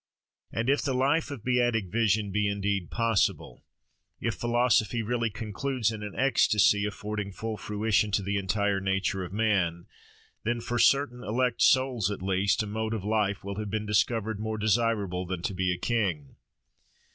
And if the life of Beatific Vision be indeed possible, if philosophy really "concludes in an ecstasy," affording full fruition to the entire nature of man; then, for certain elect souls at least, a mode of life will have been discovered more desirable than to be a king.